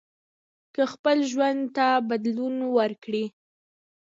که خپل ژوند ته بدلون ورکړئ